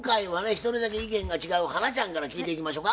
一人だけ意見が違う花ちゃんから聞いていきましょか。